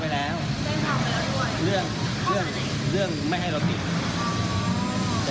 เพราะว่าเราแค่ไม่พอใจ